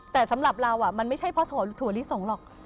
แต่สำหรับเรามันไม่ใช่เพราะถั่วลิสงหรอก